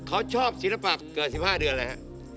เขาชอบศิลปะเกิดสิบห้าเดือนอะไรครับ